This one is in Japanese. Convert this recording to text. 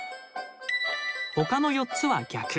他の４つは逆。